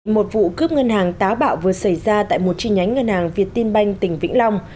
một vụ cướp ngân hàng táo bạo vừa xảy ra tại một chi nhánh ngân hàng việt tiên banh tỉnh vĩnh long